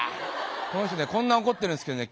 この人ねこんな怒ってるんですけどね